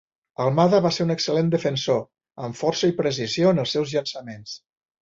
Almada va ser un excel·lent defensor amb força i precisió en els seus llançaments.